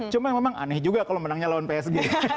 cuma memang aneh juga kalau menangnya lawan psg